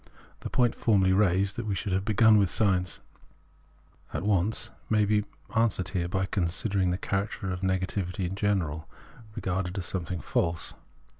The point formerly raised, that we should have begun with science at once, may be answered here by considering the character of negativity in general regarded as 36 Phenomenology of Mind something false.